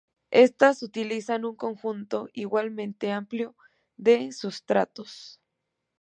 Estas utilizan un conjunto igualmente amplio de sustratos.